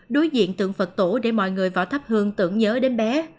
đối diện tượng phật tổ để mọi người vào thắp hương tưởng nhớ đến bé